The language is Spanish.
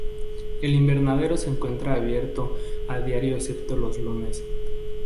El invernadero se encuentra abierto a diario excepto los lunes.